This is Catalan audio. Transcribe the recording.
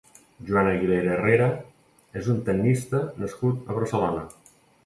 Joan Aguilera Herrera és un tennista nascut a Barcelona.